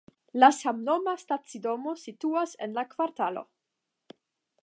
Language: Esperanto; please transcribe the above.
La samnoma stacidomo situas en la kvartalo.